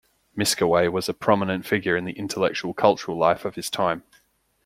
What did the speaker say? Miskawayh was a prominent figure in the intellectual and cultural life of his time.